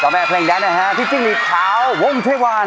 เจ้าแม่เพลงแดนนะฮะพี่จิ้งนิดขาววงเทวัน